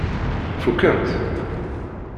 Fukken-tt?